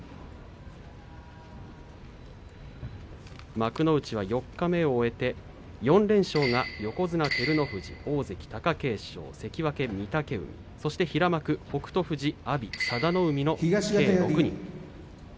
幕内は四日目を終えて４連勝が横綱照ノ富士大関貴景勝、関脇御嶽海そして平幕北勝富士、阿炎佐田の海の６人です。